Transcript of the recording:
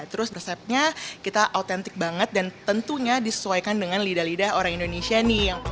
terus resepnya kita autentik banget dan tentunya disesuaikan dengan lidah lidah orang indonesia nih